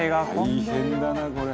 「大変だなこれ」